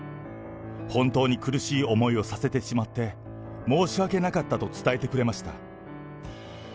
本当に苦しい思いをさせてしまって申し訳なかったと伝えてくれま